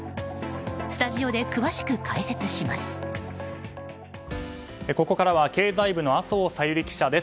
スタジオで詳しく解説します。